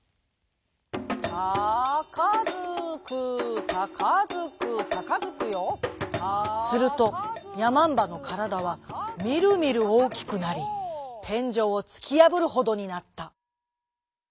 「タカヅクタカヅクタカヅクヨ」するとやまんばのからだはみるみるおおきくなりてんじょうをつきやぶるほどになった。